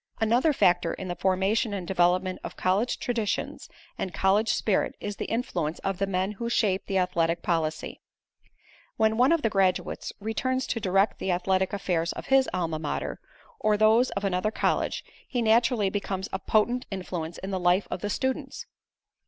Another factor in the formation and development of college traditions and college spirit is the influence of the men who shape the athletic policy. When one of the graduates returns to direct the athletic affairs of his Alma Mater, or those of another college he naturally becomes a potent influence in the life of the students.